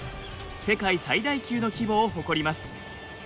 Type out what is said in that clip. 世界最大級の規模を誇ります。